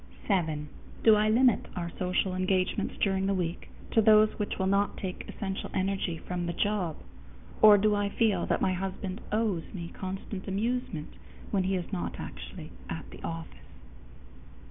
_7. Do I limit our social engagements during the week to those which will not take essential energy from the job, or do I feel that my husband "owes" me constant amusement when he is not actually at the office?